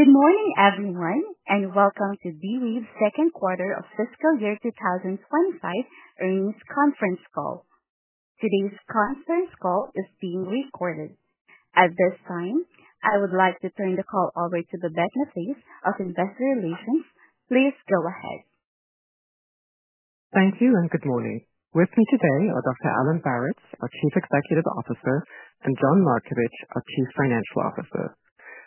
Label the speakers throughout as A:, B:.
A: Good morning, everyone, and welcome to D-Wave's second quarter of fiscal year 2025 earnings conference call. Today's conference call is being recorded. At this time, I would like to turn the call over to the Business Lead of Investor Relations. Please go ahead.
B: Thank you and good morning. With me today are Dr. Alan Baratz, our Chief Executive Officer, and John Markovich, our Chief Financial Officer.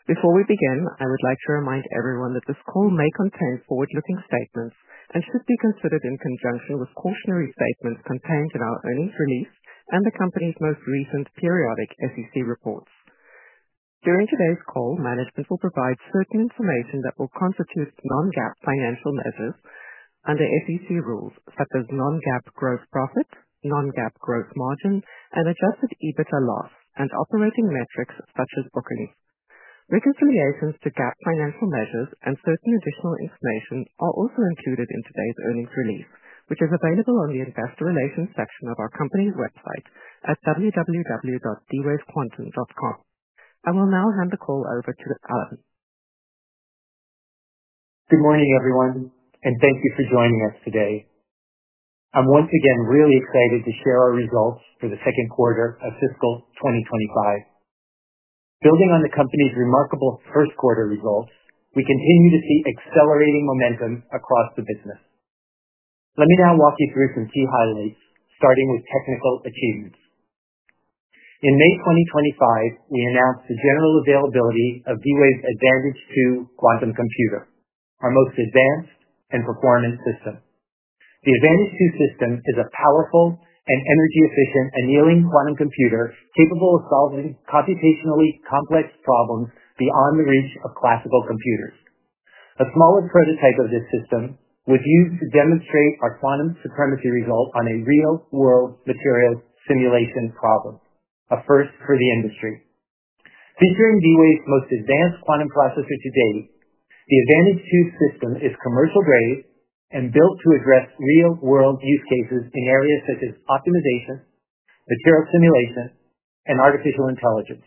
B: Before we begin, I would like to remind everyone that this call may contain forward-looking statements and should be considered in conjunction with cautionary statements contained in our earnings release and the company's most recent periodic SEC reports. During today's call, management will provide certain information that will constitute non-GAAP financial measures under SEC rules such as non-GAAP gross profit, non-GAAP gross margin, and adjusted EBITDA loss, and operating metrics such as bookings. Reconciliations to GAAP financial measures and certain additional information are also included in today's earnings release, which is available on the Investor Relations section of our company's website at www.dwavequantum.com. I will now hand the call over to Alan.
C: Good morning, everyone, and thank you for joining us today. I'm once again really excited to share our results for the second quarter of fiscal 2025. Building on the company's remarkable first quarter results, we continue to see accelerating momentum across the business. Let me now walk you through some key highlights, starting with technical achievements. In May 2025, we announced the general availability of D-Wave's Advantage2 quantum computer, our most advanced and performing system. The Advantage2 system is a powerful and energy-efficient, annealing quantum computer capable of solving computationally complex problems beyond the reach of classical computers. A smaller prototype of this system was used to demonstrate our quantum supremacy result on a real-world material simulation problem, a first for the industry. Featuring D-Wave's most advanced quantum processor to date, the Advantage2 system is commercial-grade and built to address real-world use cases in areas such as optimization, material simulation, and artificial intelligence.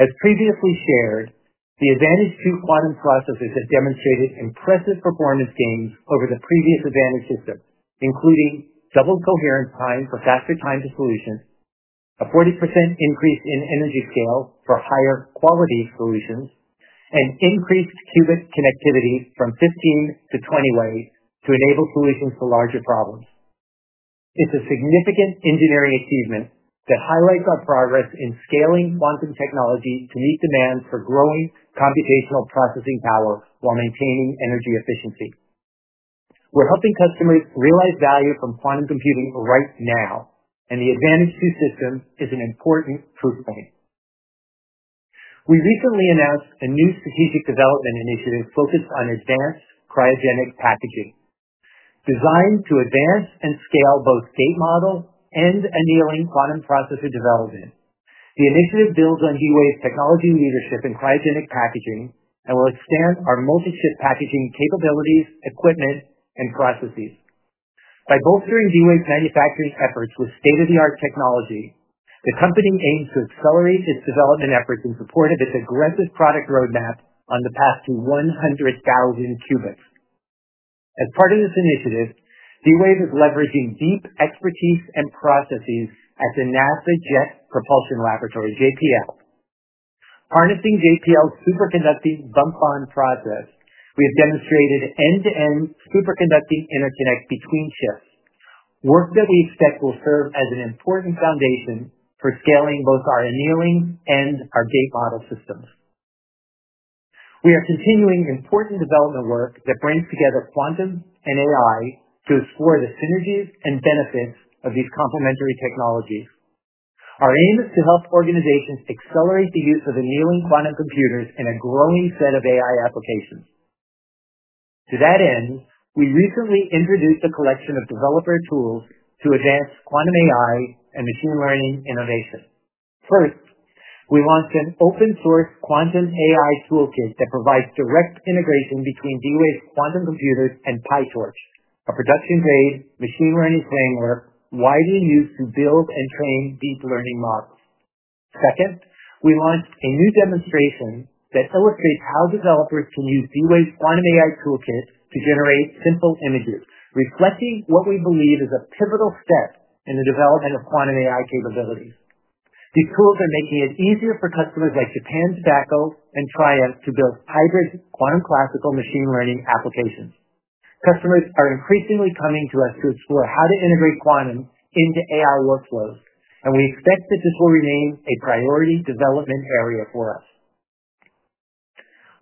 C: As previously shared, the Advantage2 quantum processors have demonstrated impressive performance gains over the previous Advantage system, including double coherent time for faster time to solution, a 40% increase in energy scale for higher quality solutions, and increased qubit connectivity from 15 to 20 to enable solutions for larger problems. It's a significant engineering achievement that highlights our progress in scaling quantum technologies to meet demand for growing computational processing power while maintaining energy efficiency. We're helping customers realize value from quantum computing right now, and the Advantage2 system is an important proof point. We recently announced a new strategic development initiative focused on advanced cryogenic packaging, designed to advance and scale both gate model and annealing quantum processor development. The initiative builds on D-Wave's technology leadership in cryogenic packaging and will expand our multi-chip packaging capabilities, equipment, and processes. By bolstering D-Wave manufacturing efforts with state-of-the-art technology, the company aims to accelerate its development efforts in support of its aggressive product roadmap on the path to 100,000 qubits. As part of this initiative, D-Wave is leveraging deep expertise and processes at NASA’s Jet Propulsion Laboratory, JPL. Harnessing NASA’s Jet Propulsion Laboratory's superconducting bump-on process, we've demonstrated end-to-end superconducting interconnect between chips, work that we expect will serve as an important foundation for scaling both our annealing and our gate model systems. We are continuing important development work that brings together quantum and AI to explore the synergies and benefits of these complementary technologies. Our aim is to help organizations accelerate the use of annealing quantum computers in a growing set of AI applications. To that end, we recently introduced a collection of developer tools to advance quantum AI and machine learning innovation. First, we launched an open-source quantum AI toolkit that provides direct integration between D-Wave's quantum computers and PyTorch, a production-grade machine learning framework widely used to build and train deep learning models. Second, we launched a new demonstration that illustrates how developers can use D-Wave's quantum AI toolkit to generate simple images, reflecting what we believe is a pivotal step in the development of quantum AI capabilities. These tools are making it easier for customers like NTT Data Corp, Sharp Corporation, and Triumph to build hybrid quantum-classical machine learning applications. Customers are increasingly coming to us to explore how to integrate quantum into AI workflows, and we expect this will remain a priority development area for us.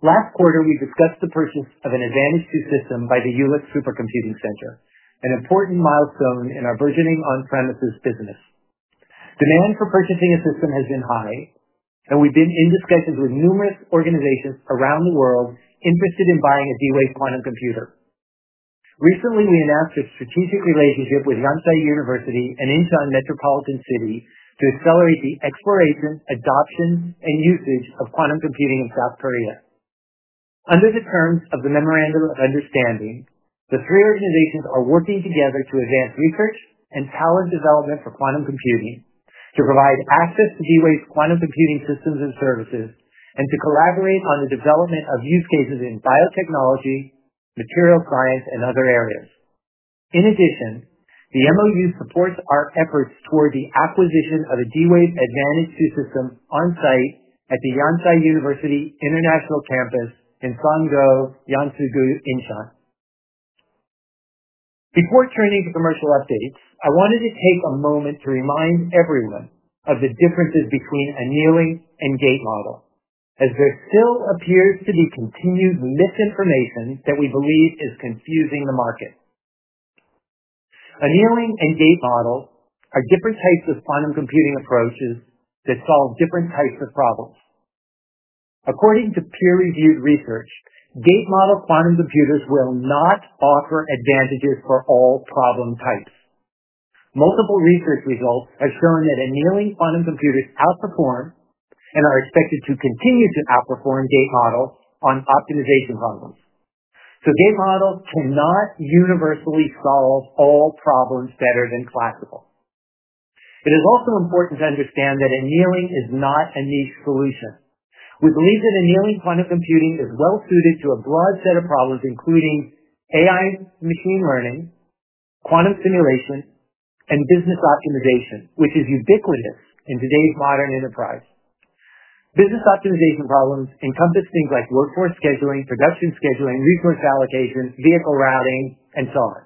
C: Last quarter, we discussed the purchase of an Advantage2 quantum computer by the U.S. Supercomputing Center, an important milestone in our versioning on-premises business. Demand for purchasing a system has been high, and we've been in discussions with numerous organizations around the world interested in buying a D-Wave Quantum Inc. quantum computer. Recently, we announced a strategic relationship with Yonsei University and Incheon Metropolitan City to accelerate the exploration, adoption, and usage of quantum computing in South Korea. Under the terms of the Memorandum of Understanding, the three organizations are working together to advance research and talent development for quantum computing, to provide access to D-Wave Quantum Inc.'s quantum computing systems and services, and to collaborate on the development of use cases in biotechnology, material science, and other areas. In addition, the Memorandum of Understanding supports our efforts toward the acquisition of a D-Wave Advantage2 quantum computer on-site at the Yonsei University International Campus in Songdo, Yeonsu-gu, Incheon. Before turning to commercial updates, I wanted to take a moment to remind everyone of the differences between annealing and gate model, as there still appears to be continued misinformation that we believe is confusing the market. Annealing and gate model are different types of quantum computing approaches that solve different types of problems. According to peer-reviewed research, gate model quantum computers will not offer advantages for all problem types. Multiple research results have shown that annealing quantum computers outperform and are expected to continue to outperform gate models on optimization problems. Gate models cannot universally solve all problems better than classical. It is also important to understand that annealing is not a niche solution. We believe that annealing quantum computing is well suited to a broad set of problems, including AI machine learning, quantum simulation, and business optimization, which is ubiquitous in today's modern enterprise. Business optimization problems encompass things like workforce scheduling, production scheduling, resource allocation, vehicle routing, and so on.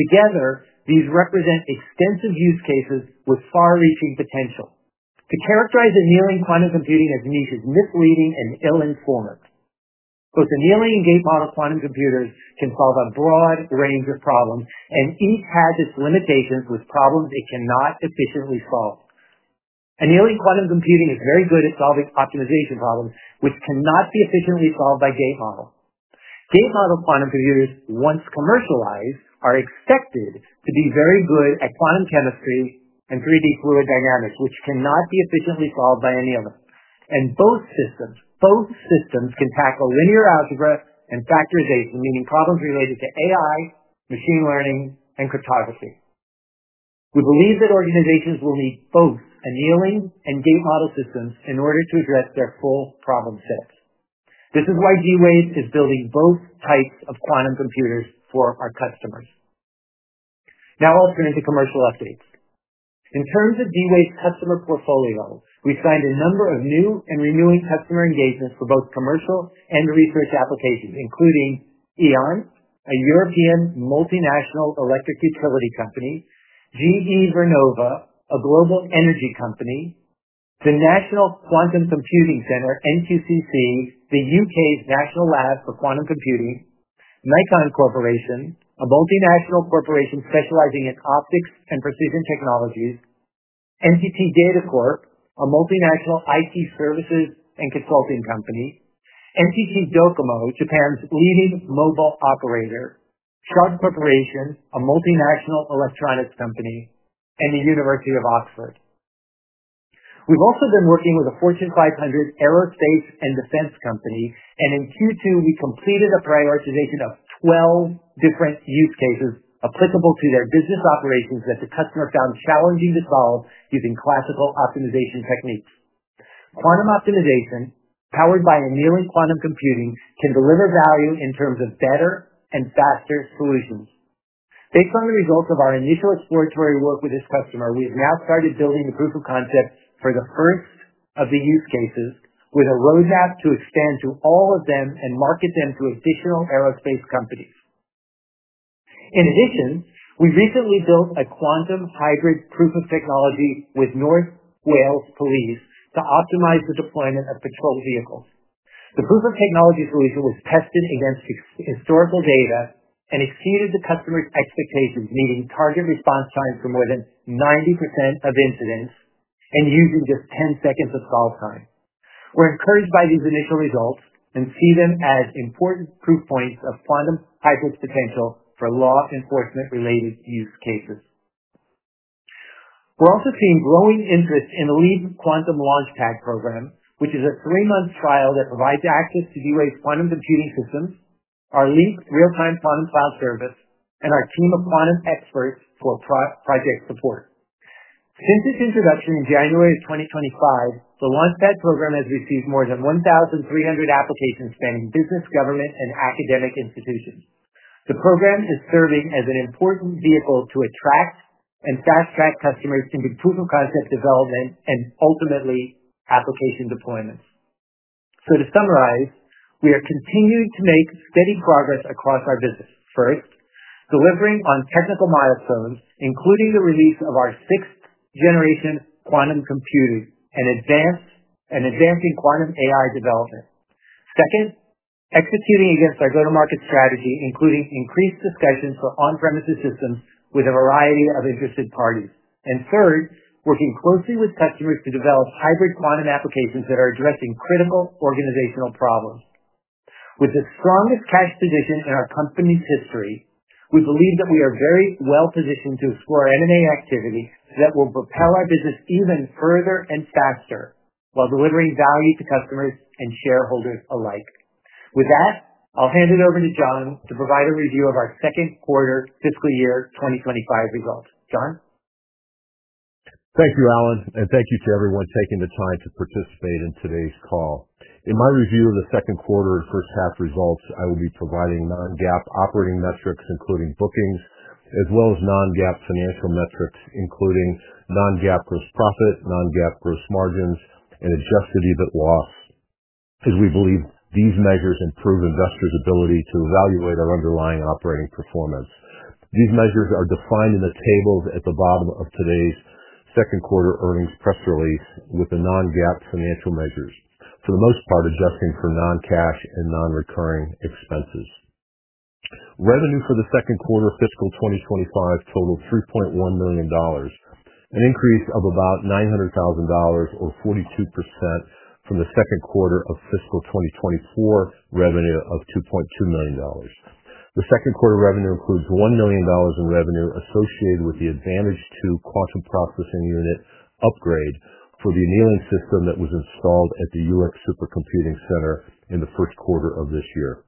C: Together, these represent extensive use cases with far-reaching potential. To characterize annealing quantum computing as niche is misleading and ill-informed. Both annealing and gate model quantum computers can solve a broad range of problems, and each has its limitations with problems it cannot efficiently solve. Annealing quantum computing is very good at solving optimization problems, which cannot be efficiently solved by gate models. Gate model quantum computers, once commercialized, are expected to be very good at quantum chemistry and 3D fluid dynamics, which cannot be efficiently solved by annealing. Both systems can tackle linear algebra and factorization, meaning problems related to AI, machine learning, and cryptography. We believe that organizations will need both annealing and gate model systems in order to address their full problem set. This is why D-Wave is building both types of quantum computers for our customers. Now I'll turn to commercial updates. In terms of D-Wave's customer portfolio, we've signed a number of new and renewing customer engagements for both commercial and research applications, including E.ON, a European multinational electric utility company, GE Vernova, a global energy company, the National Quantum Computing Centre, NQCC, the UK's National Lab for Quantum Computing, Nikon Corporation, a multinational corporation specializing in optics and precision technologies, NTT Data Corp, a multinational IT services and consulting company, NTT Docomo, Japan's leading mobile operator, Sharp Corporation, a multinational electronics company, and the University of Oxford. We've also been working with a Fortune 500 aerospace and defense company, and in Q2, we completed a prioritization of 12 different use cases applicable to their business operations that the customer found challenging to solve using classical optimization techniques. Quantum optimization, powered by annealing quantum computing, can deliver value in terms of better and faster solutions. Based on the results of our initial exploratory work with this customer, we have now started building the proof-of-concept for the first of the use cases, with a roadmap to expand to all of them and market them to additional aerospace companies. In addition, we recently built a quantum hybrid proof of technology with North Wales Police to optimize the deployment of patrol vehicles. The proof of technology solution was tested against historical data and exceeded the customer's expectations, meeting target response time for more than 90% of incidents and using just 10 seconds of solve time. We're encouraged by these initial results and see them as important proof points of quantum hybrid potential for law enforcement-related use cases. We're also seeing growing interest in the LEAP Quantum LaunchPad program, which is a three-month trial that provides access to D-Wave's quantum computing systems, our LEAP Real-Time Quantum Cloud service, and our team of quantum experts for project support. Since its introduction in January of 2025, the Launchpad program has received more than 1,300 applications spanning business, government, and academic institutions. The program is serving as an important vehicle to attract and fast-track customers into proof-of-concept development and ultimately application deployments. To summarize, we are continuing to make steady progress across our business. First, delivering on technical milestones, including the release of our sixth-generation quantum computer and advancing quantum AI development. Second, executing against our go-to-market strategy, including increased discussion for on-premises systems with a variety of interested parties. Third, working closely with customers to develop hybrid quantum applications that are addressing critical organizational problems. With the strongest cash position in our company's history, we believe that we are very well positioned to explore M&A activities that will propel our business even further and faster while delivering value to customers and shareholders alike. With that, I'll hand it over to John to provide a review of our second quarter fiscal year 2025 results. John?
D: Thank you, Alan, and thank you to everyone taking the time to participate in today's call. In my review of the second quarter of first-patch results, I will be providing non-GAAP operating metrics, including bookings, as well as non-GAAP financial metrics, including non-GAAP gross profit, non-GAAP gross margins, and adjusted EBITDA loss, as we believe these measures improve investors' ability to evaluate their underlying operating performance. These measures are defined in the tables at the bottom of today's second quarter earnings press release with the non-GAAP financial measures. For the most part, adjusting for non-cash and non-recurring expenses. Revenue for the second quarter fiscal 2025 totaled $3.1 million, an increase of about $900,000 or 42% from the second quarter of fiscal 2024 revenue of $2.2 million. The second quarter revenue includes $1 million in revenue associated with the Advantage2 quantum computer Processing Unit upgrade for the annealing system that was installed at the UX Supercomputing Center in the first quarter of this year.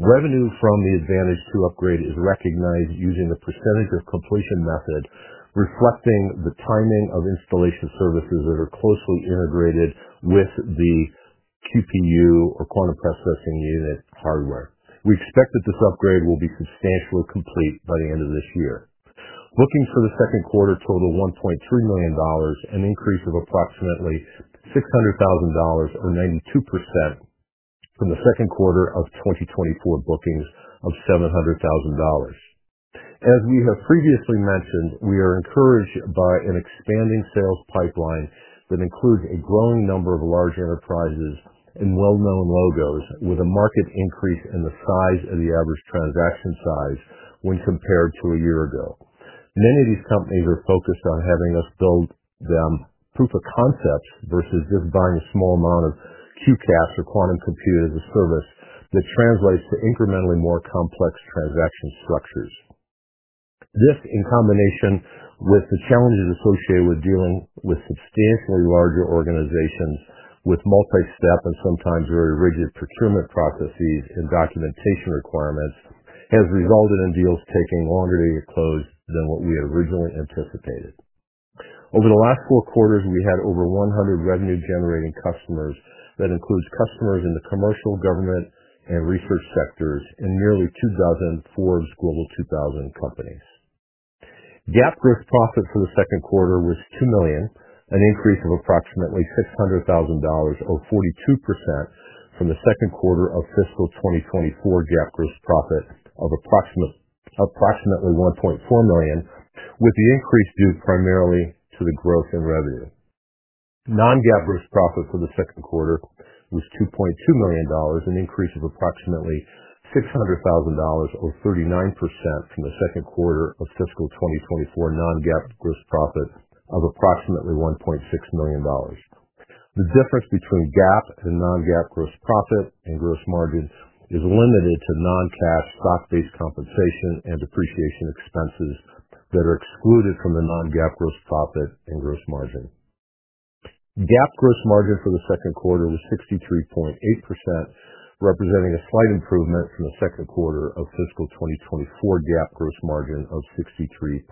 D: Revenue from the Advantage2 upgrade is recognized using the percentage of completion method, reflecting the timing of installation services that are closely integrated with the QPU or Quantum Processing Unit hardware. We expect that this upgrade will be substantially complete by the end of this year. Bookings for the second quarter totaled $1.3 million, an increase of approximately $600,000 or 92% from the second quarter of 2024 bookings of $700,000. As we have previously mentioned, we are encouraged by an expanding sales pipeline that includes a growing number of large enterprises and well-known logos, with a marked increase in the size of the average transaction size when compared to a year ago. Many of these companies are focused on having us build them proof-of-concepts versus just buying a small amount of QCAF or Quantum Computer as a Service that translates to incrementally more complex transaction structures. This, in combination with the challenges associated with dealing with substantially larger organizations with multi-step and sometimes very rigid procurement processes and documentation requirements, has resulted in deals taking longer to be closed than what we originally anticipated. Over the last four quarters, we had over 100 revenue-generating customers that include customers in the commercial, government, and research sectors and nearly two dozen Forbes Global 2000 companies. GAAP gross profit for the second quarter was $2 million, an increase of approximately $600,000 or 42% from the second quarter of fiscal 2024 GAAP gross profit of approximately $1.4 million, with the increase due primarily to the growth in revenue. Non-GAAP gross profit for the second quarter was $2.2 million, an increase of approximately $600,000 or 39% from the second quarter of fiscal 2024 non-GAAP gross profit of approximately $1.6 million. The difference between GAAP and non-GAAP gross profit and gross margin is limited to non-cash stock-based compensation and depreciation expenses that are excluded from the non-GAAP gross profit and gross margin. GAAP gross margin for the second quarter was 63.8%, representing a slight improvement from the second quarter of fiscal 2024 GAAP gross margin of 63.6%.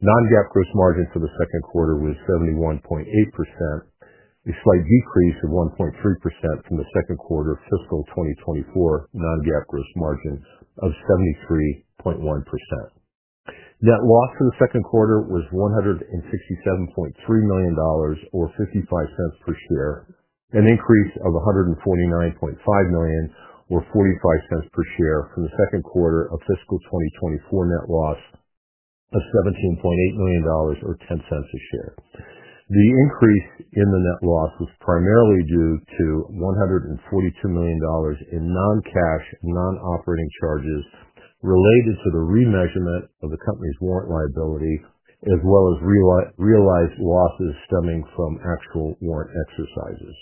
D: Non-GAAP gross margin for the second quarter was 71.8%, a slight decrease of 1.3% from the second quarter of fiscal 2024 non-GAAP gross margin of 73.1%. Net loss in the second quarter was $167.3 million or $0.55 per share, an increase of $149.5 million or $0.45 per share from the second quarter of fiscal 2024 net loss of $17.8 million or $0.10 per share. The increase in the net loss was primarily due to $142 million in non-cash, non-operating charges related to the remeasurement of the company's warrant liability, as well as realized losses stemming from actual warrant exercises.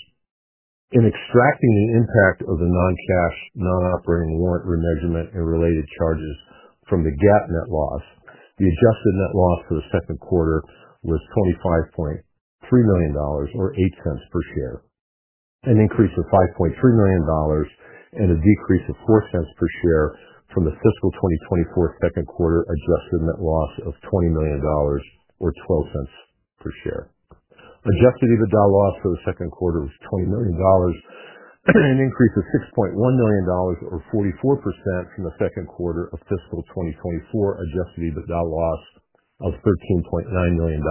D: In extracting the impact of the non-cash, non-operating warrant remeasurement and related charges from the GAAP net loss, the adjusted net loss for the second quarter was $25.3 million or $0.08 per share, an increase of $5.3 million and a decrease of $0.04 per share from the fiscal 2024 second quarter adjusted net loss of $20 million or $0.12 per share. Adjusted EBITDA loss for the second quarter was $20 million, an increase of $6.1 million or 44% from the second quarter of fiscal 2024 adjusted EBITDA loss of $13.9 million,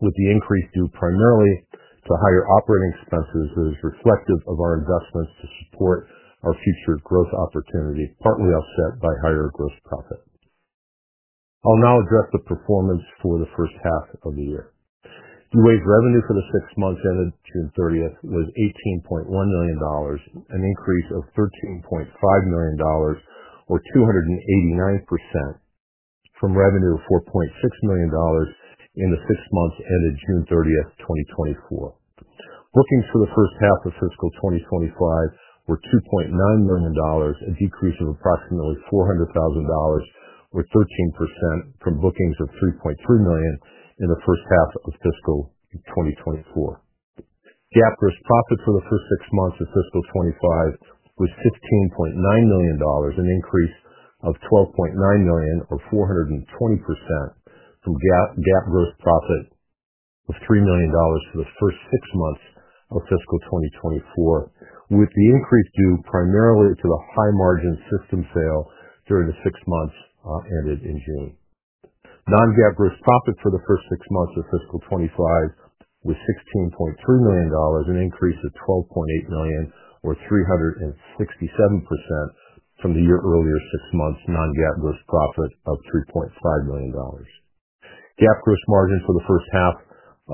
D: with the increase due primarily to higher operating expenses as reflective of our investments to support our future growth opportunity, partly offset by higher gross profit. I'll now address the performance for the first half of the year. D-Wave's revenue for the six months ended June 30th was $18.1 million, an increase of $13.5 million or 289% from revenue of $4.6 million in the six months ended June 30th, 2024. Bookings for the first half of fiscal 2025 were $2.9 million, a decrease of approximately $400,000 or 13% from bookings of $3.3 million in the first half of fiscal 2024. GAAP gross profit for the first six months of fiscal 2025 was $15.9 million, an increase of $12.9 million or 420% from GAAP gross profit of $3 million for the first six months of fiscal 2024, with the increase due primarily to the high-margin system sale during the six months ended in June. Non-GAAP gross profit for the first six months of fiscal 2025 was $16.3 million, an increase of $12.8 million or 367% from the year earlier six months' non-GAAP gross profit of $3.5 million. GAAP gross margins for the first half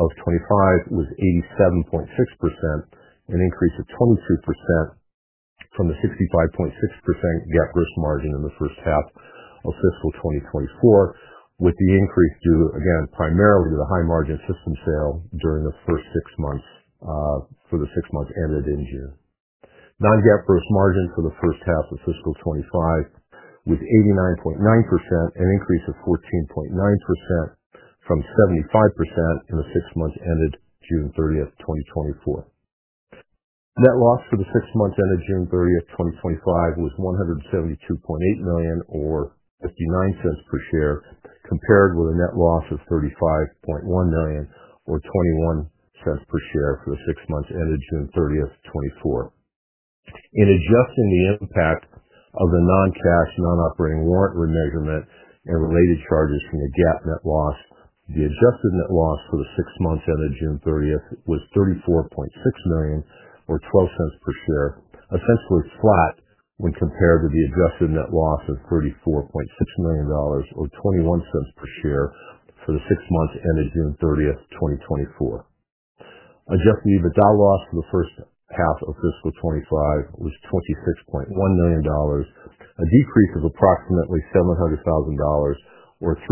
D: of 2025 were 87.6%, an increase of 22% from the 65.6% GAAP gross margin in the first half of fiscal 2024, with the increase due, again, primarily to the high-margin system sale during the first six months ended in June. Non-GAAP gross margins for the first half of fiscal 2025 were 89.9%, an increase of 14.9% from 75% in the six months ended June 30, 2024. Net loss for the six months ended June 30, 2025, was $172.8 million or $0.59 per share, compared with a net loss of $35.1 million or $0.21 per share for the six months ended June 30, 2024. In adjusting the impact of the non-cash, non-operating warrant remeasurement and related charges from the GAAP net loss, the adjusted net loss for the six months ended June 30 was $34.6 million or $0.12 per share, essentially flat when compared with the adjusted net loss of $34.6 million or $0.21 per share for the six months ended June 30, 2024. Adjusted EBITDA loss for the first half of fiscal 2025 was $26.1 million, a decrease of approximately $700,000 or 3%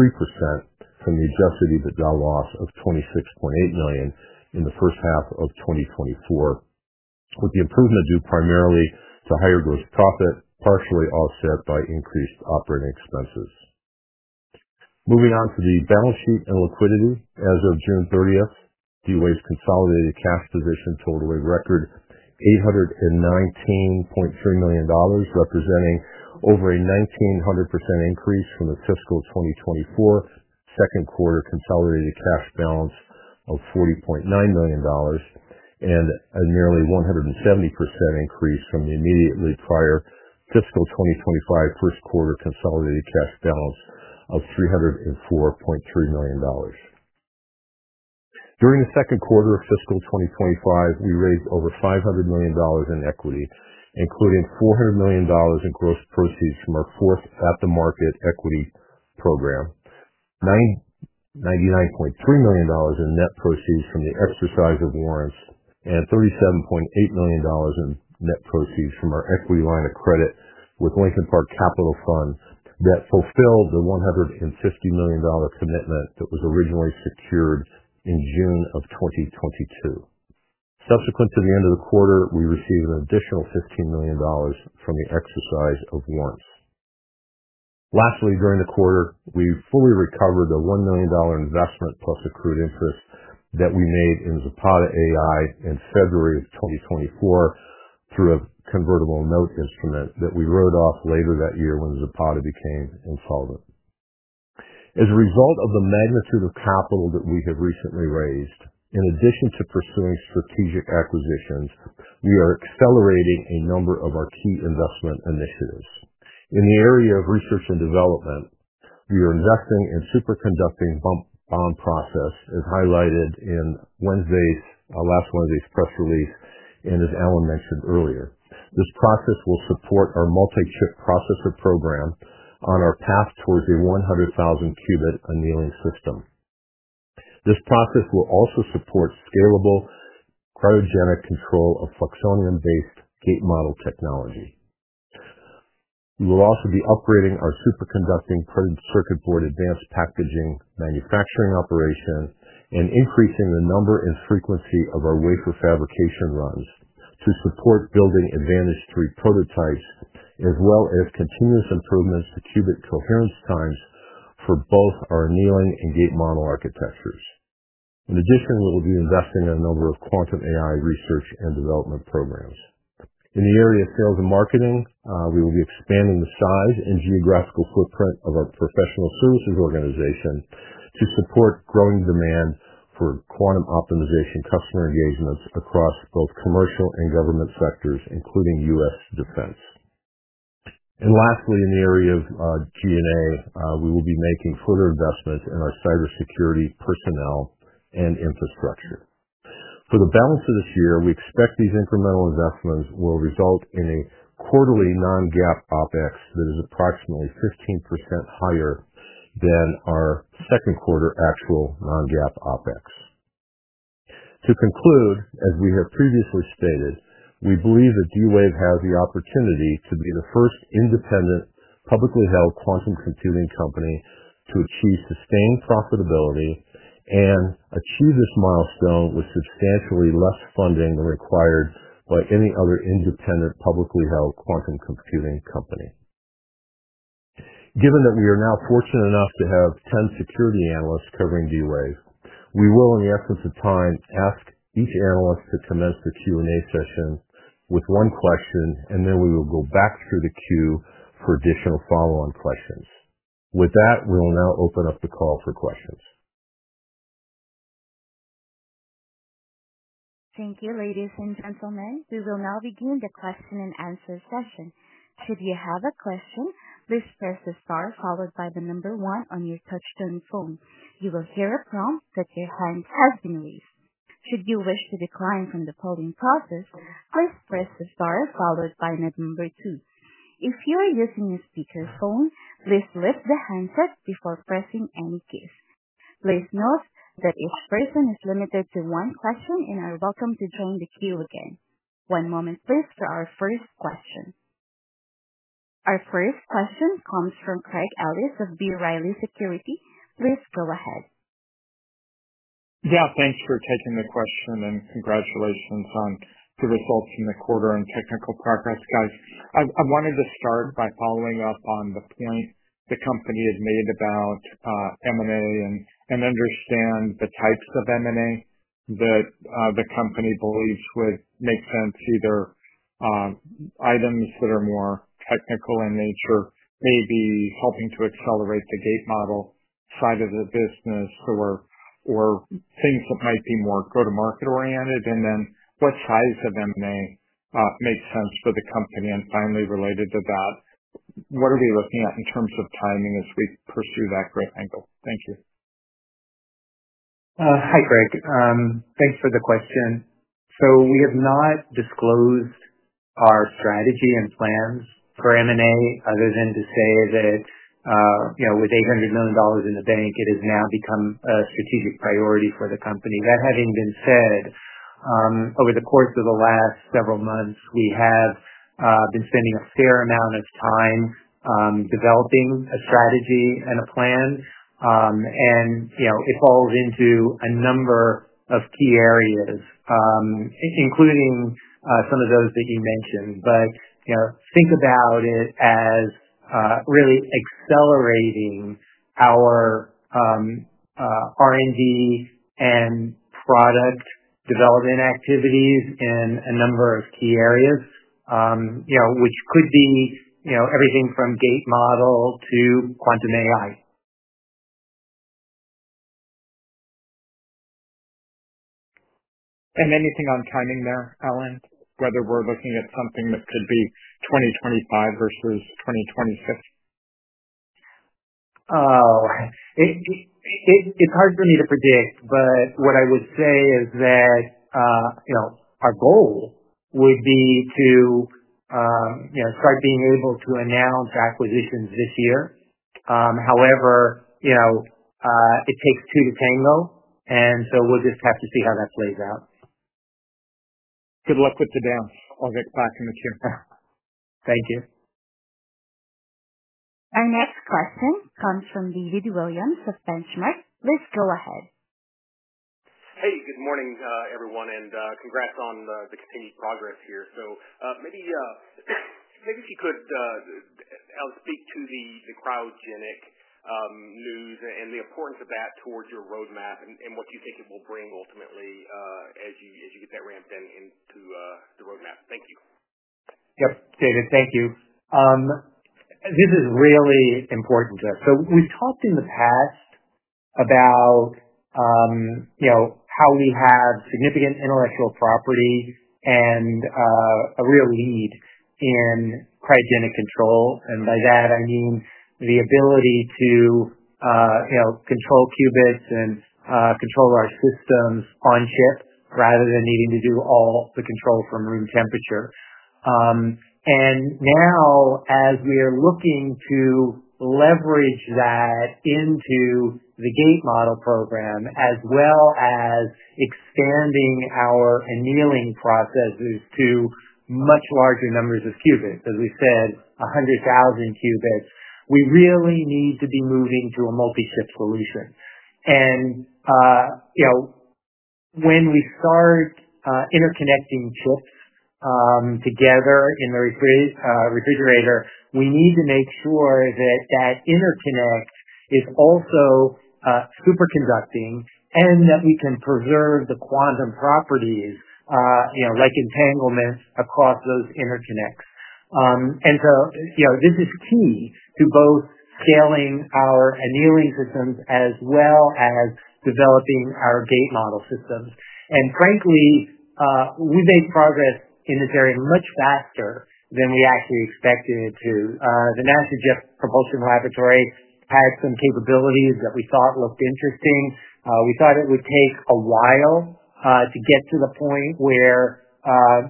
D: from the adjusted EBITDA loss of $26.8 million in the first half of 2024, with the improvement due primarily to higher gross profit, partially offset by increased operating expenses. Moving on to the balance sheet and liquidity, as of June 30, D-Wave Quantum Inc.'s consolidated cash position totaled a record $819.3 million, representing over a 1,900% increase from the fiscal 2024 second quarter consolidated cash balance of $40.9 million and a nearly 170% increase from the immediately prior fiscal 2025 first quarter consolidated cash balance of $304.3 million. During the second quarter of fiscal 2025, we raised over $500 million in equity, including $400 million in gross proceeds from our forced at-the-market equity program, $99.3 million in net proceeds from the exercise of warrants, and $37.8 million in net proceeds from our equity line of credit with Lincoln Park Capital Fund that fulfilled the $150 million commitment that was originally secured in June of 2022. Subsequent to the end of the quarter, we received an additional $15 million from the exercise of warrants. Lastly, during the quarter, we fully recovered the $1 million investment plus accrued interest that we made in Zapata AI in February of 2024 through a convertible note that we wrote off later that year when Zapata became insolvent. As a result of the magnitude of capital that we have recently raised, in addition to pursuing strategic acquisitions, we are accelerating a number of our key investment initiatives. In the area of research and development, we are investing in the superconducting bond process, as highlighted in our last Wednesday's press release and as Alan mentioned earlier. This process will support our multi-chip processor program on our path towards a 100,000-qubit annealing system. This process will also support scalable cryogenic control of fluxonium-based gate model technology. We will also be upgrading our superconducting printed circuit board advanced packaging manufacturing operation and increasing the number and frequency of our wafer fabrication runs to support building Advantage2 prototypes, as well as continuous improvements to qubit coherence times for both our annealing and gate model architectures. In addition, we will be investing in a number of quantum AI research and development programs. In the area of sales and marketing, we will be expanding the size and geographical footprint of our professional services organization to support growing demand for quantum optimization customer engagements across both commercial and government sectors, including U.S. defense. Lastly, in the area of G&A, we will be making further investments in our cybersecurity personnel and infrastructure. For the balance of this year, we expect these incremental investments will result in a quarterly non-GAAP OpEx that is approximately 15% higher than our second quarter actual non-GAAP OpEx. To conclude, as we have previously stated, we believe that D-Wave has the opportunity to be the first independent publicly held quantum computing company to achieve sustained profitability and achieve this milestone with substantially less funding than required by any other independent publicly held quantum computing company. Given that we are now fortunate enough to have 10 security analysts covering D-Wave, we will, in the essence of time, ask each analyst to commence the Q&A session with one question, and then we will go back through the queue for additional follow-on questions. With that, we will now open up the call for questions.
A: Thank you, ladies and gentlemen. We will now begin the question-and-answer session. Should you have a question, please press the star followed by the number one on your touchtone phone. You will hear a prompt that your hand has been raised. If you wish to decline from the polling process, please press the star followed by the number two. If you are using a speaker phone, please lift the handset before pressing any key. Please note that each person is limited to one session and are welcome to join the queue again. One moment please for our first question. Our first question comes from Craig Ellis of B. Riley Securities. Please go ahead.
E: Yeah, thanks for taking the question and congratulations on the results in the quarter and technical progress, guys. I wanted to start by following up on the point the company has made about M&A and understand the types of M&A that the company believes would make sense, either items that are more technical in nature, maybe helping to accelerate the gate model side of the business, or things that might be more go-to-market oriented, and what size of M&A makes sense for the company. Finally, related to that, what are we looking at in terms of timing as we pursue that grade angle? Thank you.
C: Hi, Craig. Thanks for the question. We have not disclosed our strategy and plans for M&A, other than to say that, you know, with $800 million in the bank, it has now become a strategic priority for the company. That having been said, over the course of the last several months, we have been spending a fair amount of time developing a strategy and a plan, and it falls into a number of key areas, including some of those that you mentioned. Think about it as really accelerating our R&D and product development activities in a number of key areas, which could be everything from gate model to quantum AI.
E: there anything on timing there, Alan, whether we're looking at something that could be 2025 versus 2026?
C: It's hard for me to predict, but what I would say is that our goal would be to start being able to announce acquisitions this year. However, it takes two to tango, and we'll just have to see how that plays out.
E: Good luck with the deal. I'll get back in the queue.
C: Thank you.
A: Our next question comes from David Williams of Benchmark. Please go ahead.
F: Good morning, everyone, and congrats on the continued progress here. If you could speak to the cryogenic news and the importance of that towards your roadmap and what you think it will bring ultimately as you get that ramped into the roadmap. Thank you.
C: Yep, David, thank you. This is really important, Jeff. We've talked in the past about how we have significant intellectual property and a real need in cryogenic control. By that, I mean the ability to control qubits and control our systems on chip rather than needing to do all the control from room temperature. Now, as we are looking to leverage that into the gate model program, as well as expanding our annealing processes to much larger numbers of qubits, as we said, 100,000 qubits, we really need to be moving to a multi-chip solution. When we start interconnecting chips together in the refrigerator, we need to make sure that the interconnect is also superconducting and that we can preserve the quantum properties, like entanglement across those interconnects. This is key to both scaling our annealing systems as well as developing our gate model systems. Frankly, we've made progress in this area much faster than we actually expected it to. NASA’s Jet Propulsion Laboratory had some capabilities that we thought looked interesting. We thought it would take a while to get to the point where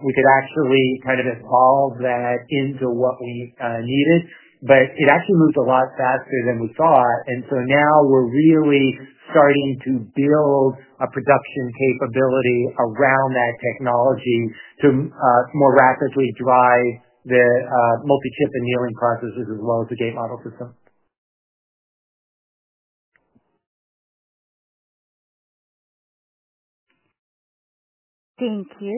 C: we could actually kind of evolve that into what we needed, but it actually moved a lot faster than we thought. Now we're really starting to build a production capability around that technology to more rapidly drive the multi-chip annealing processes as well as the gate model system.
A: Thank you.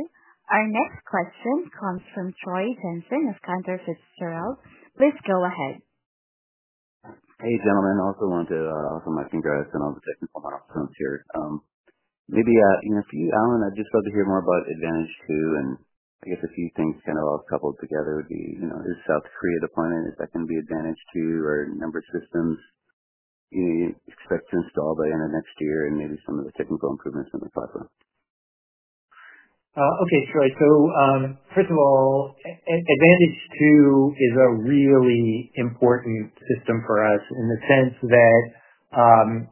A: Our next question comes from Troy Jensen of Cantor Fitzgerald. Please go ahead.
G: Hey, gentlemen. I also want to, also my congrats to all the technical milestones here. Maybe in a few, Alan, I'd just love to hear more about Advantage2 and I guess a few things kind of all coupled together would be, you know, is South Korea deployment, is that going to be Advantage2 or a number of systems you expect to install by the end of next year and maybe some of the technical improvements in the platform?
C: Okay, Troy. First of all, Advantage2 is a really important system for us in the sense that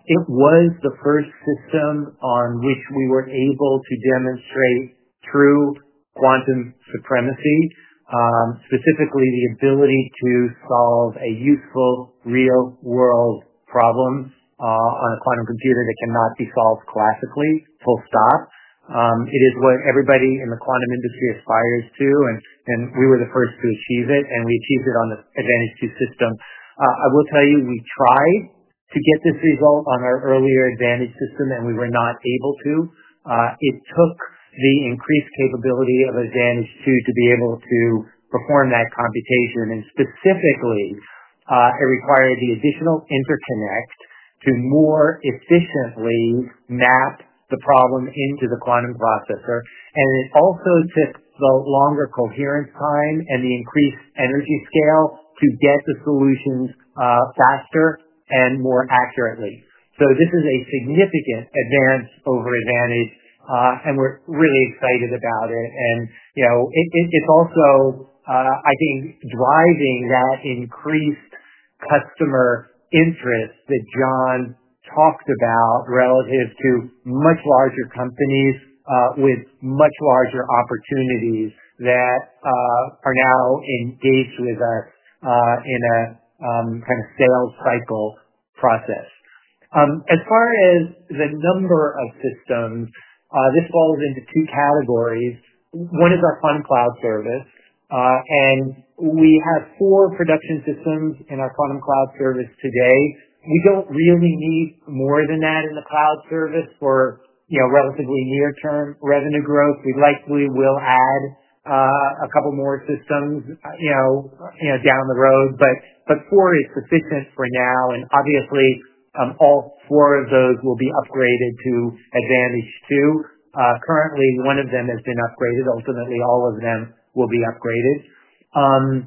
C: it was the first system on which we were able to demonstrate true quantum supremacy, specifically the ability to solve a useful real-world problem on a quantum computer that cannot be solved classically, full stop. It is what everybody in the quantum industry aspires to, and we were the first to achieve it, and we achieved it on the Advantage2 system. I will tell you, we tried to get this result on our earlier Advantage system, and we were not able to. It took the increased capability of Advantage2 to be able to perform that computation, and specifically, it required the additional interconnect to more efficiently map the problem into the quantum processor. It also took the longer coherence time and the increased energy scale to get the solutions faster and more accurately. This is a significant advance over Advantage, and we're really excited about it. You know, it's also, I think, driving that increased customer interest that John talked about relative to much larger companies with much larger opportunities that are now engaged with us in a kind of sales cycle process. As far as the number of systems, this falls into two categories. One is our quantum cloud service, and we have four production systems in our quantum cloud service today. We don't really need more than that in the cloud service for, you know, relatively near-term revenue growth. We likely will add a couple more systems down the road, but four is sufficient for now. Obviously, all four of those will be upgraded to Advantage2. Currently, one of them has been upgraded. Ultimately, all of them will be upgraded. Then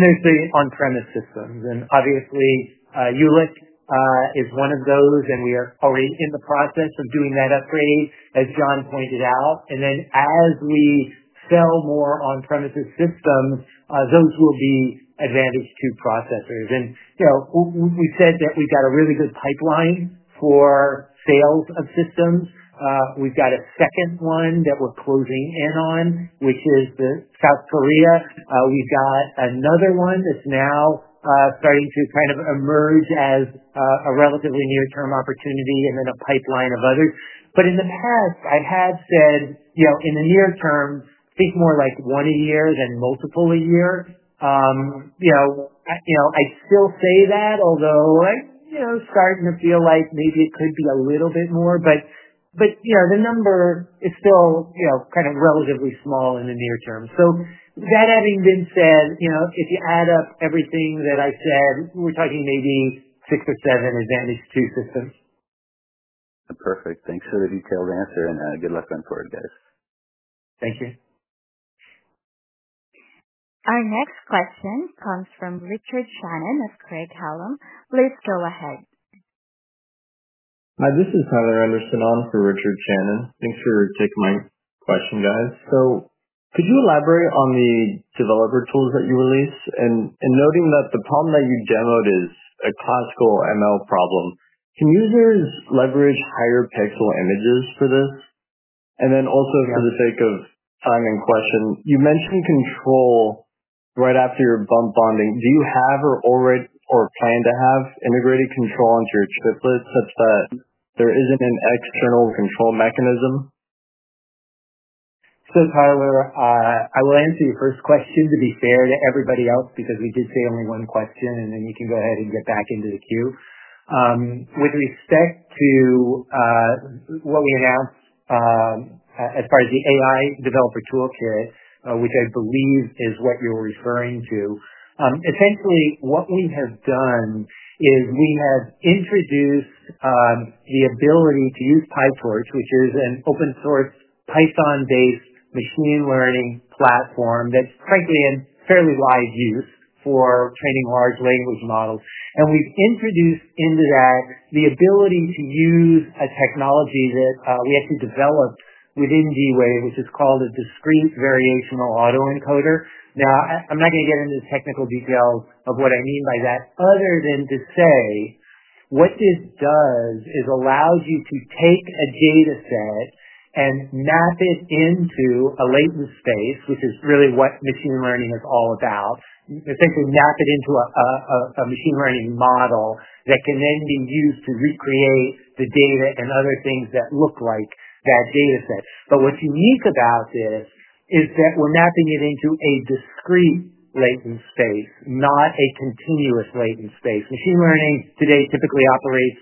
C: there's the on-premise systems. Obviously, Julich is one of those, and we are already in the process of doing that upgrade, as John pointed out. As we sell more on-premises systems, those will be Advantage2 processors. You know, we've said that we've got a really good pipeline for sales of systems. We've got a second one that we're closing in on, which is South Korea. We've got another one that's now starting to kind of emerge as a relatively near-term opportunity and then a pipeline of others. In the past, I have said, in the near term, think more like one a year than multiple a year. I still say that, although I'm starting to feel like maybe it could be a little bit more. The number is still, you know, kind of relatively small in the near term. That having been said, if you add up everything that I said, we're talking maybe six or seven Advantage2 systems.
G: Perfect. Thanks for the detailed answer, and good luck on the board, guys.
C: Thank you.
A: Our next question comes from Richard Shannon of Craig Hallum. Please go ahead.
H: This is Tyler Anderson. I'm for Richard Shannon. Thanks for taking my question, guys. Could you elaborate on the developer tools that you released? Noting that the problem that you demoed is a classical ML problem, can users leverage higher pixel images for this? For the sake of time and question, you mentioned control right after your bump bonding. Do you have or already plan to have integrated control onto your chiplet such that there isn't an external control mechanism?
C: Tyler, I will answer your first question to be fair to everybody else because we did say only one question, and then you can go ahead and get back into the queue. With respect to what we announced as far as the quantum AI toolkit, which I believe is what you're referring to, essentially, what we have done is we have introduced the ability to use PyTorch, which is an open-source Python-based machine learning platform that's frankly in fairly wide use for training large language models. We've introduced into that the ability to use a technology that we actually developed within D-Wave, which is called a Discrete Variational Autoencoder. I'm not going to get into the technical detail of what I mean by that, other than to say what this does is it allows you to take a data set and map it into a latent space, which is really what machine learning is all about. Essentially, map it into a machine learning model that can then be used to recreate the data and other things that look like that data set. What's unique about this is that we're mapping it into a discrete latent space, not a continuous latent space. Machine learning today typically operates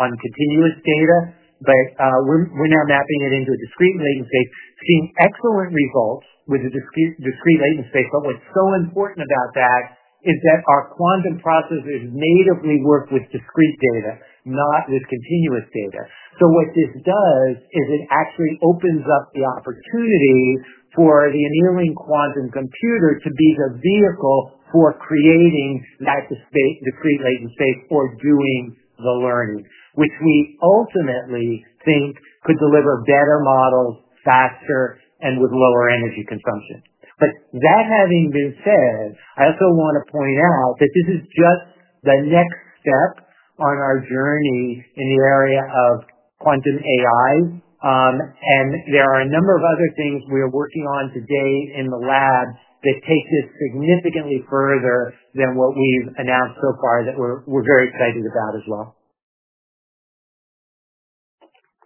C: on continuous data, but we're now mapping it into a discrete latent space. It's getting excellent results with a discrete latent space. What's so important about that is that our quantum processors natively work with discrete data, not with continuous data. What this does is it actually opens up the opportunity for the annealing quantum computer to be the vehicle for creating that discrete latent space or doing the learning, which we ultimately think could deliver better models faster and with lower energy consumption. That having been said, I also want to point out that this is just the next step on our journey in the area of quantum AI. There are a number of other things we are working on today in the lab that take this significantly further than what we've announced so far that we're very excited about as well.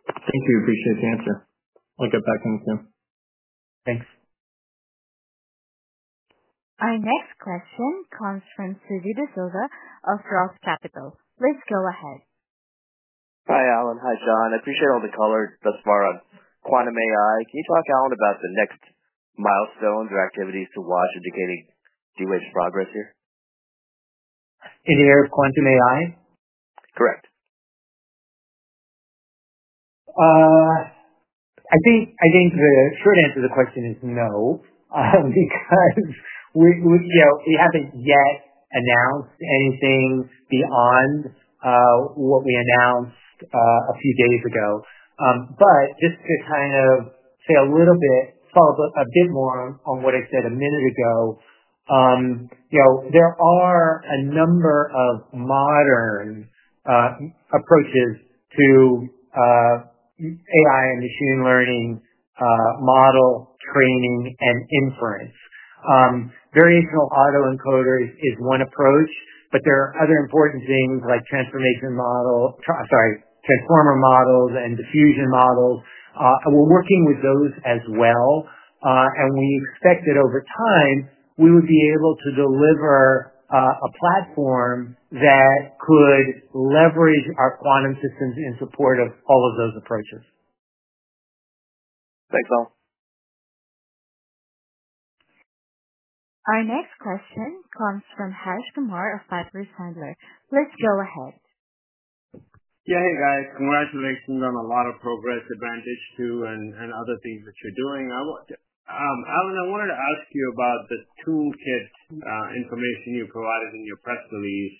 H: Thank you. I appreciate the answer. I'll get back in the queue.
C: Thanks.
A: Our next question comes from Suji Desilva of ROTH Capital. Please go ahead.
I: Hi, Alan. Hi, John. I appreciate all the colors thus far on quantum AI. Can you talk, Alan, about the next milestones or activities to watch in indicating D-Wave's progress here?
C: In the area of quantum AI?
I: Correct.
C: I think the short answer to the question is no, because we haven't yet announced anything beyond what we announced a few days ago. Just to say a little bit, follow up a bit more on what I said a minute ago, there are a number of modern approaches to AI and machine learning model training and inference. Variational autoencoders is one approach, but there are other important things like transformer models and diffusion models. We're working with those as well. We expect that over time, we would be able to deliver a platform that could leverage our quantum systems in support of all of those approaches.
I: Thanks, Al.
A: Our next question comes from Harsh Kumar of Piper Sandler. Please go ahead.
J: Yeah, hey, guys. Congratulations on a lot of progress Advantage2 and other things that you're doing. Alan, I wanted to ask you about the toolkit information you provided in your press release.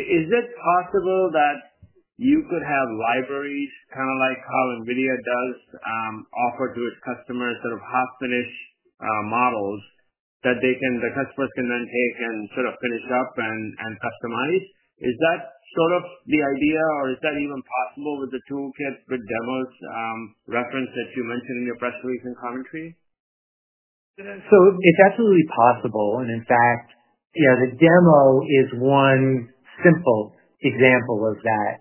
J: Is it possible that you could have libraries, kind of like how NVIDIA does, offer to its customers sort of half-finished models that the customers can then take and sort of finish up and customize? Is that sort of the idea, or is that even possible with the toolkit with demos reference that you mentioned in your press release and commentary?
C: It is absolutely possible. In fact, the demo is one simple example of that.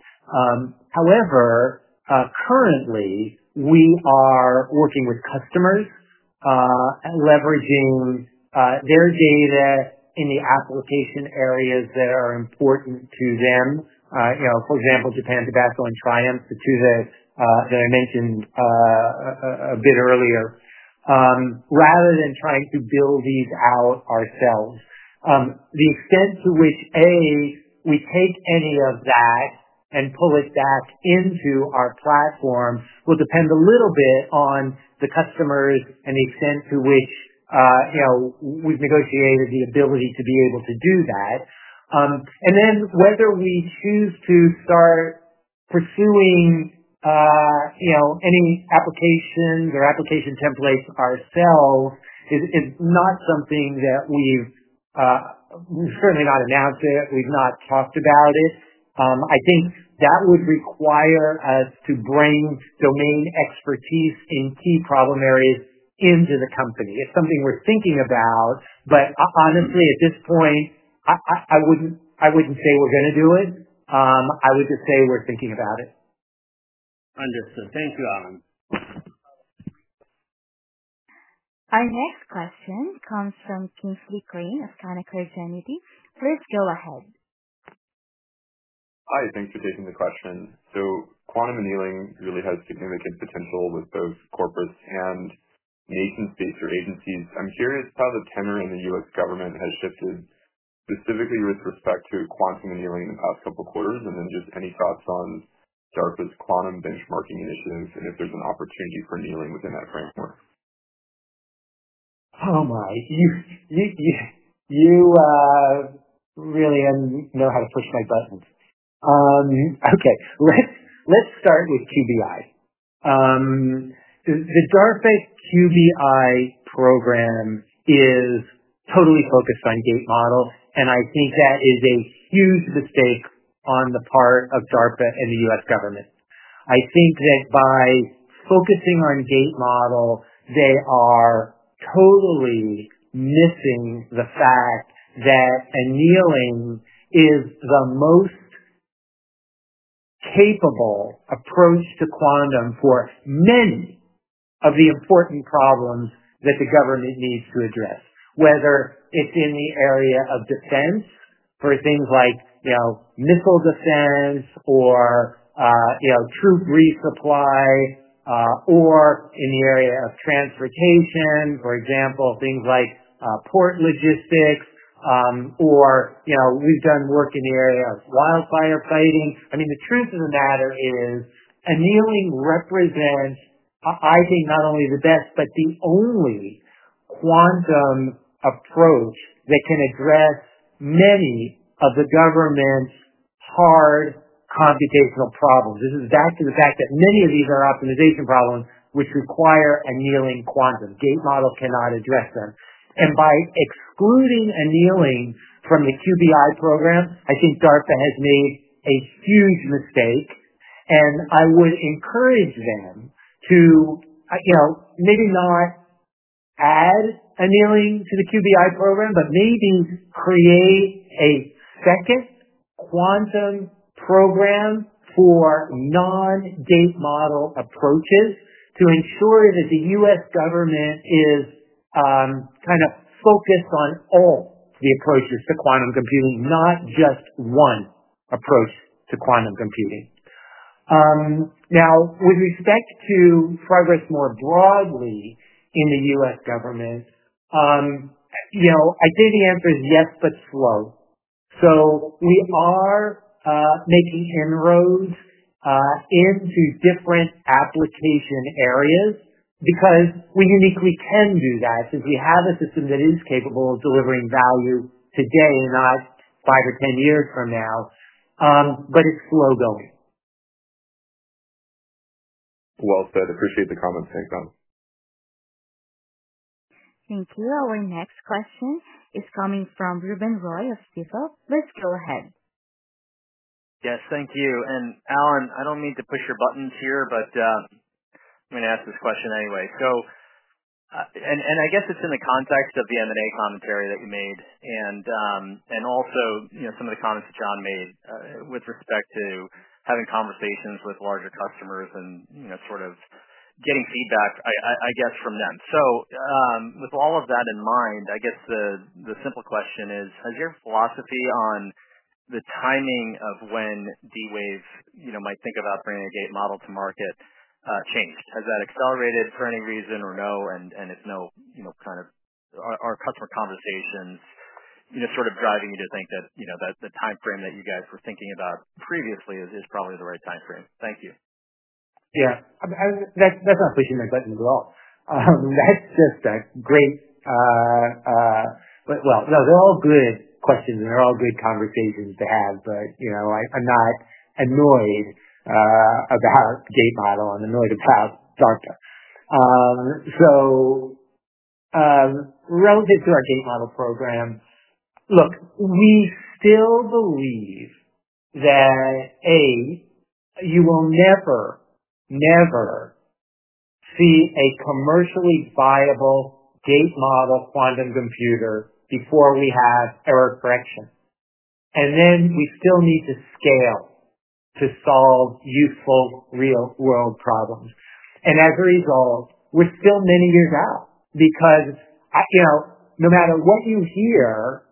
C: However, currently, we are working with customers leveraging their data in the application areas that are important to them. For example, Japan's Tobacco and Triumph, the two that I mentioned a bit earlier, rather than trying to build these out ourselves. The extent to which, A, we take any of that and pull it back into our platform will depend a little bit on the customers and the extent to which we've negotiated the ability to be able to do that. Whether we choose to start pursuing any applications or application templates ourselves is not something that we've certainly not announced. We've not talked about it. I think that would require us to bring domain expertise in key problem areas into the company. It is something we're thinking about, but honestly, at this point, I wouldn't say we're going to do it. I would just say we're thinking about it.
H: Understood. Thank you, Alan.
A: Our next question comes from Kingsley Crane of Canaccord Genuity. Please go ahead.
K: Hi, thanks for taking the question. Quantum annealing really has significant potential with both corporate and nation states or agencies. I'm curious how the tenor in the U.S. government has shifted specifically with respect to quantum annealing in the past couple of quarters, and just any thoughts on DARPA's quantum benchmarking initiatives and if there's an opportunity for annealing within that framework.
C: Oh my, you really know how to push my buttons. Okay, let's start with QBI. The DARPA's QBI program is totally focused on gate model, and I think that is a huge mistake on the part of DARPA and the U.S. government. I think that by focusing on gate model, they are totally missing the fact that annealing is the most capable approach to quantum for many of the important problems that the government needs to address, whether it's in the area of defense for things like missile defense or troop resupply, or in the area of transportation, for example, things like port logistics, or we've done work in the area of wildfire fighting. The truth of the matter is annealing represents, I think, not only the best, but the only quantum approach that can address many of the government's hard computational problems. This is back to the fact that many of these are optimization problems which require annealing quantum. Gate model cannot address them. By excluding annealing from the QBI program, I think DARPA has made a huge mistake. I would encourage them to maybe not add annealing to the QBI program, but maybe create a second quantum program for non-gate model approaches to ensure that the U.S. government is kind of focused on all the approaches to quantum computing, not just one approach to quantum computing. Now, with respect to progress more broadly in the U.S. government, I'd say the answer is yes, but slow. We are making inroads into different application areas because we can do that since we have a system that is capable of delivering value today, not 5 or 10 years from now, but it's slow going.
H: Appreciate the comments. Thanks, Alan.
A: Thank you. Our next question is coming from Ruben Roy of Stifel. Please go ahead.
L: Yes, thank you. Alan, I don't mean to push your buttons here, but I'm going to ask this question anyway. I guess it's in the context of the M&A commentary that you made and also some of the comments that John made with respect to having conversations with larger customers and getting feedback from them. With all of that in mind, I guess the simple question is, has your philosophy on the timing of when D-Wave might think about bringing the gate model to market changed? Has that accelerated for any reason or no? If no, are customer conversations driving you to think that the timeframe that you guys were thinking about previously is probably the right timeframe? Thank you. Yeah, that's definitely pushing my buttons as well. I mean, that's just a great, but no, they're all good questions and they're all good conversations to have.
C: I'm not annoyed about the gate model. I'm annoyed about DARPA. Relative to our gate model program, look, we still believe that, A, you will never, never see a commercially viable gate model quantum computer before we have error correction. We still need to scale to solve useful real-world problems. As a result, we're still many years out because, no matter what you hear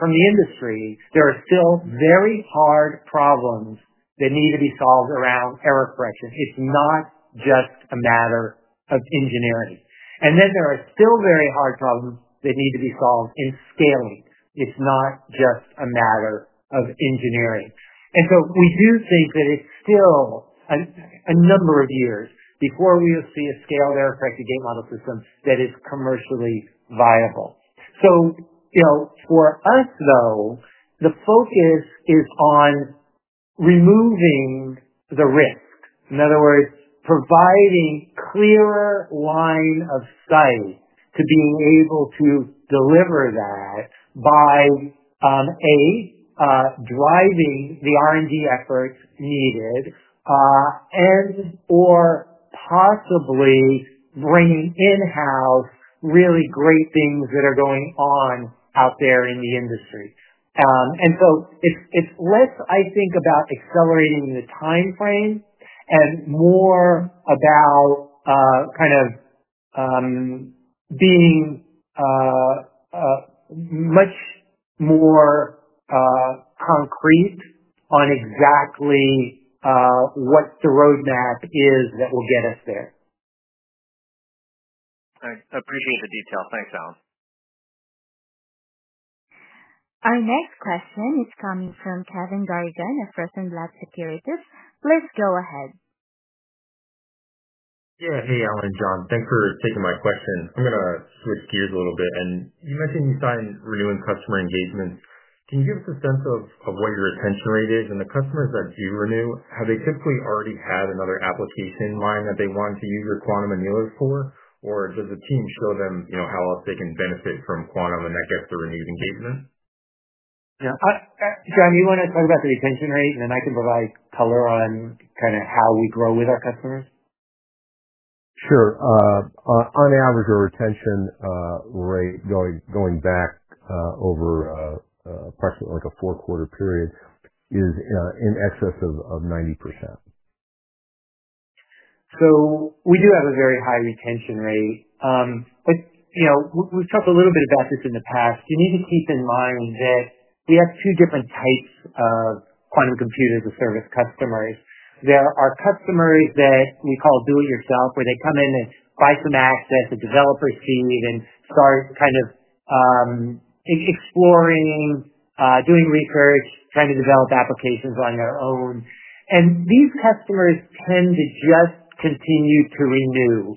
C: from the industry, there are still very hard problems that need to be solved around error correction. It's not just a matter of engineering. There are still very hard problems that need to be solved in scaling. It's not just a matter of engineering. We do think that it's still a number of years before we will see a scaled error-corrected gate model system that is commercially viable. For us, though, the focus is on removing the risk. In other words, providing a clearer line of sight to being able to deliver that by driving the R&D efforts needed, and/or possibly bringing in-house really great things that are going on out there in the industry. It's less, I think, about accelerating the timeframe and more about being much more concrete on exactly what the road map is that will get us there.
L: I appreciate the detail. Thanks, Alan.
A: Our next question is coming from Kevin Garrigan of Rosenblatt Securities. Please go ahead.
M: Yeah, hey, Alan, John. Thanks for taking my question. I'm going to switch gears a little bit. You mentioned you signed renewing customer engagements. Can you give us a sense of what your retention rate is? The customers that do renew, have they typically already had another application in mind that they want to use your quantum annealers for? Does the team show them how else they can benefit from quantum and that gets to renewed engagement?
C: Yeah, John, you want to talk about the retention rate, and then I can provide color on kind of how we grow with our customers?
D: Sure. On average, our retention rate, going back over approximately like a four-quarter period, is in excess of 90%.
C: We do have a very high retention rate. You know, we've talked a little bit about this in the past. You need to keep in mind that we have two different types of quantum computers as service customers. There are customers that we call do-it-yourself, where they come in and buy some assets, a developer seat, and start kind of exploring, doing research, trying to develop applications on their own. These customers tend to just continue to renew,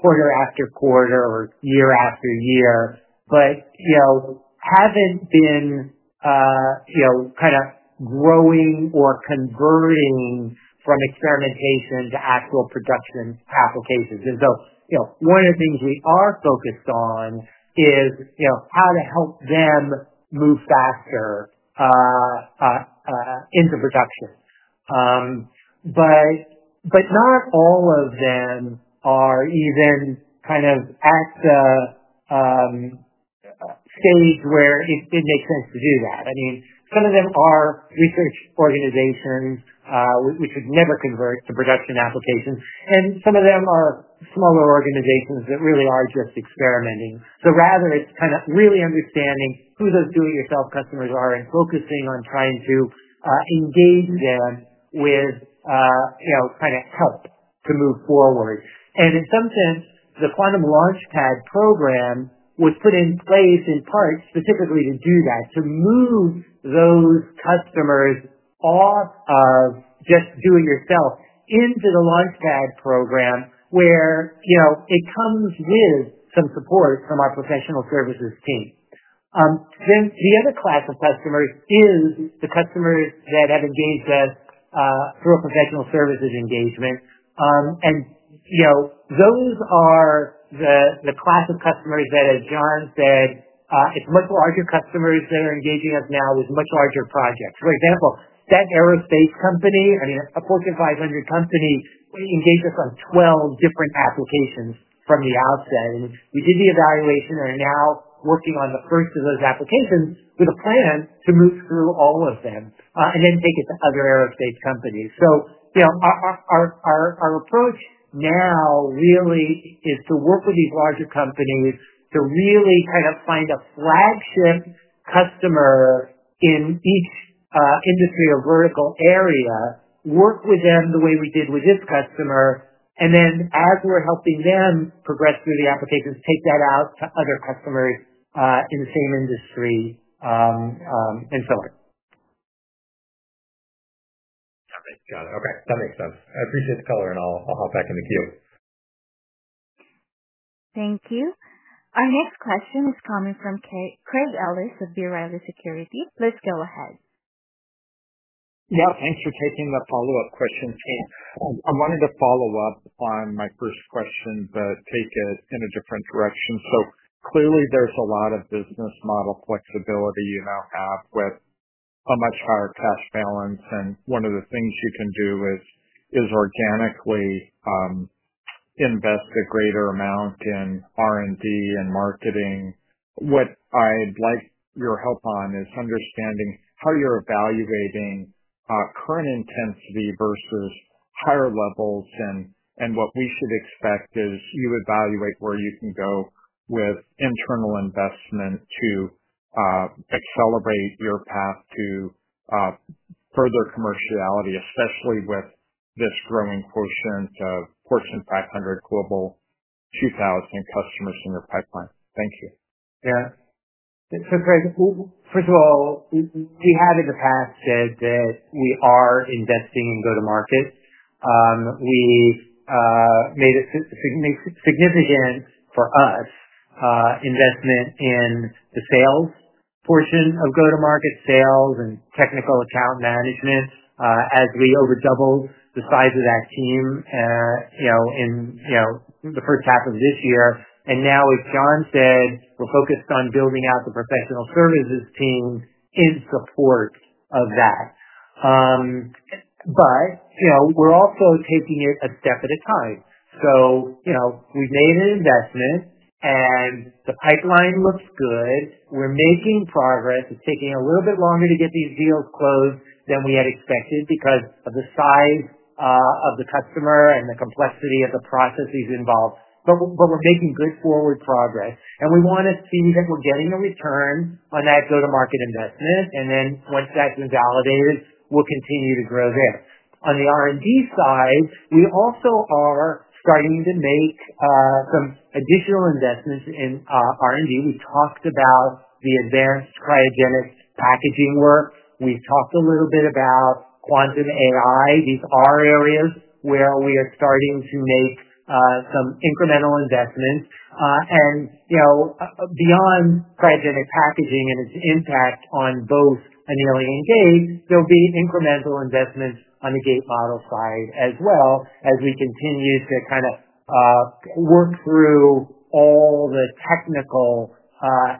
C: quarter after quarter or year after year, but, you know, haven't been kind of growing or converting from experimentation to actual production applications. One of the things we are focused on is how to help them move faster into production, but not all of them are even kind of at the stage where it makes sense to do that. Some of them are research organizations, which would never convert to production applications. Some of them are smaller organizations that really are just experimenting. Rather, it's kind of really understanding who those do-it-yourself customers are and focusing on trying to engage them with help to move forward. In some sense, the Quantum Launchad program was put in place in part specifically to do that, to move those customers off of just do-it-yourself into the LaunchPad program, where it comes with some support from our professional services team. The other class of customers is the customers that have engaged us through a professional services engagement. Those are the class of customers that, as John said, it's much larger customers that are engaging us now with much larger projects. For example, that aerospace company, I mean, a Fortune 500 company, we engaged across 12 different applications from the outset. We did the evaluation and are now working on the first of those applications with a plan to move through all of them and then take it to other aerospace companies. Our approach now really is to work with these larger companies to really kind of find a fraction customer in each industry or vertical area, work with them the way we did with this customer, and then as we're helping them progress through the applications, take that out to other customers in the same industry, and so on.
M: Got it. Okay, that makes sense. I appreciate the color, and I'll hop back in the queue.
A: Thank you. Our next question is coming from Craig Ellis of B. Riley Securities. Please go ahead.
E: Yeah, thanks for taking the follow-up question. I wanted to follow up on my first question, but take it in a different direction. Clearly, there's a lot of business model flexibility you now have with a much higher cash balance. One of the things you can do is organically invest a greater amount in R&D and marketing. What I'd like your help on is understanding how you're evaluating current intensity versus higher levels, and what we should expect as you evaluate where you can go with internal investment to accelerate your path to further commerciality, especially with this growing quotient of Fortune 500, Global 2,000 customers in your pipeline. Thank you.
C: Thanks, Craig. First of all, we have in the past said that we are investing in go-to-market. We've made a significant, for us, investment in the sales portion of go-to-market sales and technical account management, as we over doubled the size of that team in the first half of this year. Now, as John said, we're focused on building out the professional services team in support of that. We're also taking it a step at a time. We've made an investment and the pipeline looks good. We're making progress. It's taking a little bit longer to get these deals closed than we had expected because of the size of the customer and the complexity of the processes involved. We're making good forward progress. We want to see that we're getting a return on that go-to-market investment. Once that's been validated, we'll continue to grow there. On the R&D side, we also are starting to make some additional investments in R&D. We talked about the advanced cryogenic packaging work. We've talked a little bit about quantum AI. These are areas where we are starting to make some incremental investments. Beyond cryogenic packaging and its impact on both annealing and gate model, there'll be incremental investments on the gate model side as well as we continue to kind of work through all the technical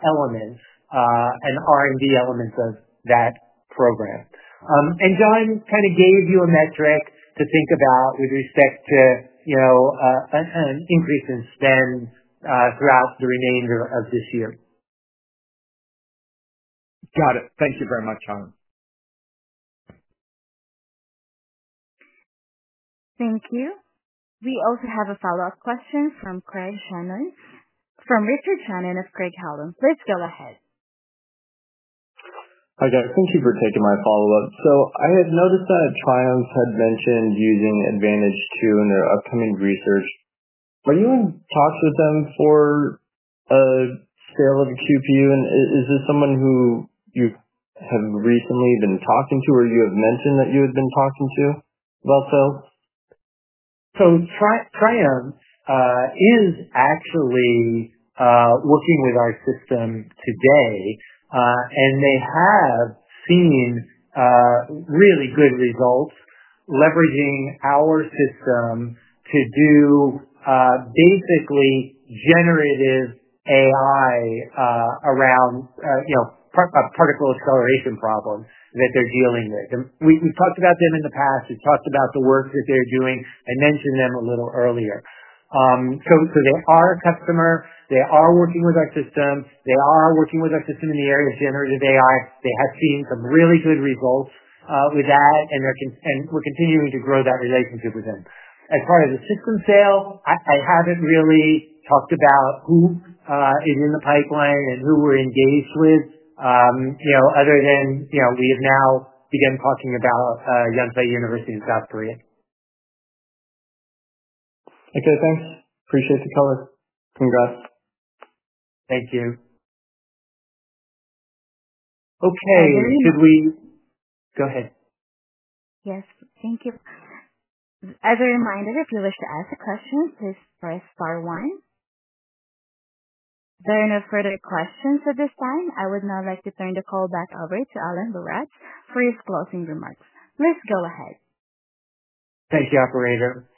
C: elements and R&D elements of that program. John kind of gave you a metric to think about with respect to an increase in spend throughout the remainder of this year.
E: Got it. Thank you very much, Alan.
A: Thank you. We also have a follow-up question from Richard Shannon of Craig Hallum. Please go ahead.
H: Hi, thank you for taking my follow-up. I had noticed that Triumph had mentioned using Advantage2 in their upcoming research. Are you in talks with them for a scale of a QPU? Is this someone who you have recently been talking to or you have mentioned that you had been talking to about sale?
C: Triumph is actually working with our system today, and they have seen really good results leveraging our system to do basically generative AI around, you know, a particle acceleration problem that they're dealing with. We talked about them in the past. We talked about the work that they're doing. I mentioned them a little earlier. They are a customer. They are working with our system. They are working with our system in the area of generative AI. They have seen some really good results with that, and we're continuing to grow that relationship with them. As far as the system sale, I haven't really talked about who is in the pipeline and who we're engaged with, you know, other than, you know, we have now begun talking about Yonsei University in South Korea.
H: Okay, thanks. Appreciate the color. Congrats.
C: Thank you. Okay, should we go ahead?
A: Yes, thank you. As a reminder, if you wish to ask a question, please press star one. There are no further questions at this time. I would now like to turn the call back over to Alan Baratz for his closing remarks. Please go ahead.
C: Thank you operator.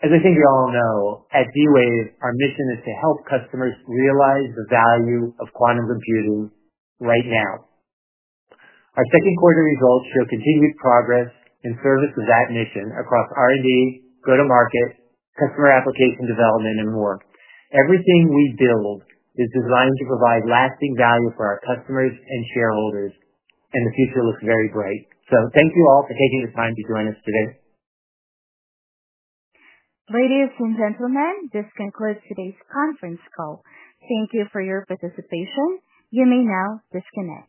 C: As I think you all know, at D-Wave, our mission is to help customers realize the value of quantum computing right now. Our second quarter results show continued progress in service of that mission across R&D, go-to-market, customer application development, and more. Everything we build is designed to provide lasting value for our customers and shareholders, and the future looks very bright. Thank you all for taking the time to join us today.
A: Ladies and gentlemen, this concludes today's conference call. Thank you for your participation. You may now disconnect.